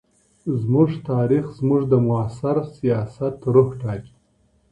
زموږ تاریخ زموږ د معاصر سیاست روح ټاکي.